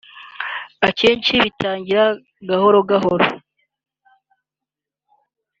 akenshi bitangira gahoro gahoro